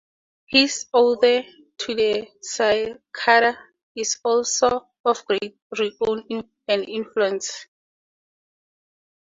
His "Ode to the Cicada" is also of great renown and influence.